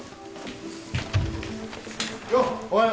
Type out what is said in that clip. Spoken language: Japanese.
よっおはよう！